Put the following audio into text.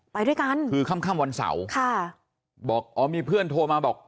ไปด้วยกันคือค่ำค่ำวันเสาร์ค่ะบอกอ๋อมีเพื่อนโทรมาบอก